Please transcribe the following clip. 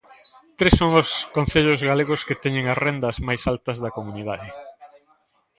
Tres son os concellos galegos que teñen as rendas máis altas da comunidade.